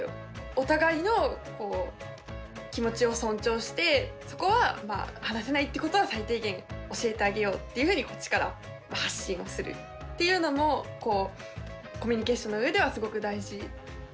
お互いの気持ちを尊重してそこは話せないっていうことは最低限教えてあげようというふうにこっちから発信をするというのもコミュニケーションの上ではすごく大事なのかなって。